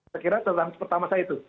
saya kira contoh tanda pertama saya itu